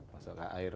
masuk ke air